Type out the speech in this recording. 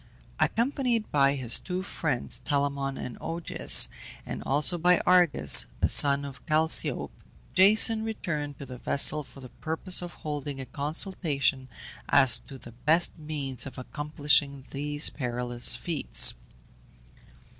Accompanied by his two friends, Telamon and Augeas, and also by Argus, the son of Chalciope, Jason returned to the vessel for the purpose of holding a consultation as to the best means of accomplishing these perilous feats.